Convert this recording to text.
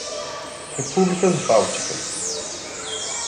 Repúblicas Bálticas